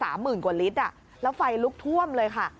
หมื่นกว่าลิตรอ่ะแล้วไฟลุกท่วมเลยค่ะ